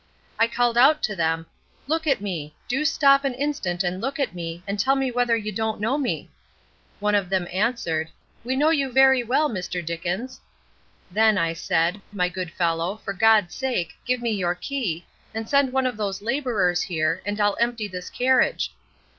I called out to them: 'Look at me! Do stop an instant and look at me, and tell me whether you don't know me?' One of them answered: 'We know you very well, Mr. Dickens.' 'Then,' I said, 'my good fellow, for God's sake, give me your key, and send one of those laborers here, and I'll empty this carriage.